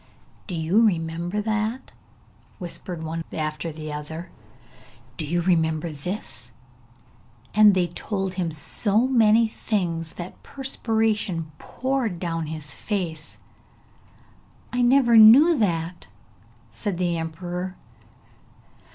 'Do you remember that?' whispered one after the other; 'Do you remember this?' and they told him so many things that the perspiration poured down his face. 'I never knew that,' said the emperor.